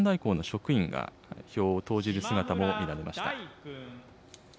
今、投かん代行の職員が票を投じる姿も見られました。